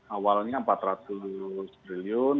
awalnya empat ratus triliun